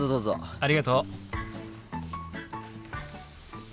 ありがとう。